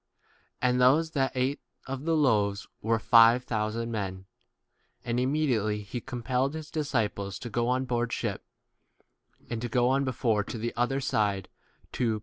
And those that ate of the loaves were? five thou 43 sand men. And immediately he compelled his disciples to go on board ship, 2 and to go on before to the other side to Bethsaida, to him' are doubtful.